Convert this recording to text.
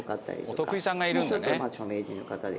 お得意さんがいるんだね。